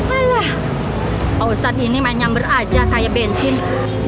alah pak ustadz ini main nyamber aja kayak bensin